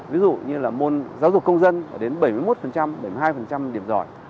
ví dụ như là môn giáo dục công dân đến bảy mươi một bảy mươi hai điểm giỏi